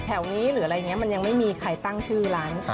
แถวนี้หรืออะไรอย่างนี้มันยังไม่มีใครตั้งชื่อร้าน